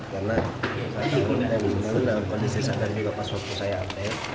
karena saya sudah mengenal kondisi sadari juga pas waktu saya update